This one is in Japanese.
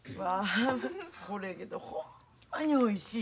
これけどほんまにおいしい。